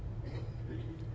ada pak pak minyak doang